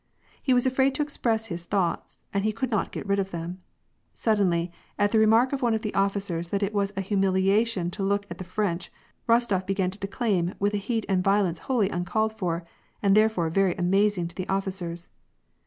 He was afraid to express his thoughts, and be could not get rid of them. Suddenly, at the remark of one of the officers that it was a humiliation to look at the French, Rostof began to declaim with a heat and violence wholly uncalled for, and therefore very amazing to the officers.